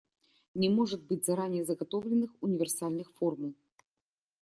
Не может быть заранее заготовленных универсальных формул.